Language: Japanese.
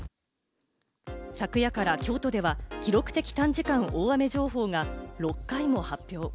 昨夜から京都では記録的短時間大雨情報が６回も発表。